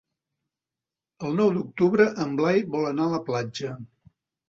El nou d'octubre en Blai vol anar a la platja.